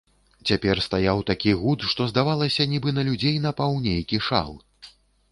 Цяпер стаяў такі гуд, што здавалася, нібы на людзей напаў нейкі шал.